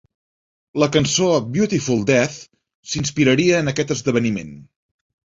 La cançó "Beautiful Death" s'inspiraria en aquest esdeveniment.